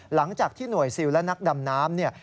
หลังจากที่หน่วยซิลและนักดำน้ำเนี่ย